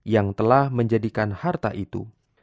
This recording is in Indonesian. yang telah menjadikan harta itu